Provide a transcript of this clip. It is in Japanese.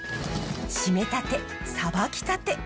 締めたてさばきたて。